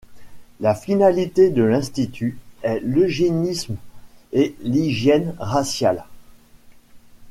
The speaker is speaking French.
La finalité de l'institut est l'eugénisme et l'hygiène raciale.